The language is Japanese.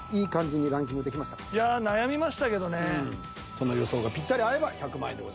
その予想がぴったり合えば１００万円でございます。